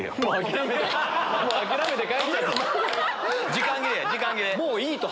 時間切れや時間切れ。